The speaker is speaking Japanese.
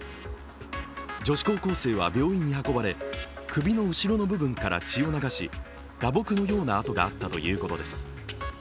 女子高校生は病院に運ばれ、首の後ろの部分から血を流し、打撲のような跡があったということです。